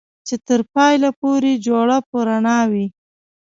چې تر پايه پورې جوړه په رڼا وي